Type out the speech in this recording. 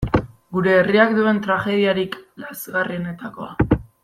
Gure herriak duen tragediarik lazgarrienetakoa.